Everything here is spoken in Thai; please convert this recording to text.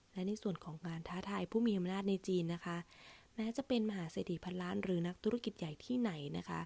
และในส่วนของการท้าทายผู้มีอำนาจในจีนนะคะแม้จะเป็นมหาเศรษฐีพันล้านหรือนักธุรกิจใหญ่ที่ไหนนะคะ